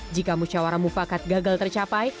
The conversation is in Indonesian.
jika musyawarah mufakat gagal tercapai